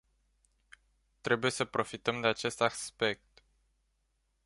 Trebuie să profităm de acest aspect.